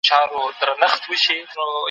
بهرني تولیدات زموږ پر اقتصاد منفي اغېز کوي.